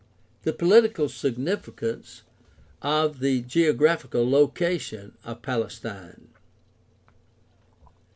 The political significance of the geographical location of Palestine.